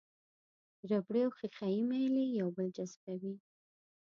ربړي او ښيښه یي میلې یو بل جذبوي.